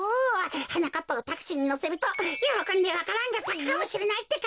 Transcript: はなかっぱをタクシーにのせるとよろこんでわか蘭がさくかもしれないってか！